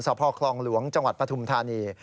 พ่อคลองหลวงจังหวัดปฐุมธานี